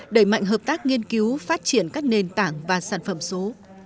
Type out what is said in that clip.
đẩy mạnh hợp tác nghiên cứu phát triển các nền tảng và sản phẩm số